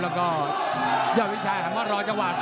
แล้วก็เยาวิชัยถึงว่ารอจะหวาน